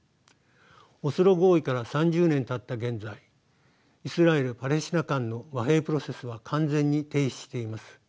オスロ合意から３０年たった現在イスラエルパレスチナ間の和平プロセスは完全に停止しています。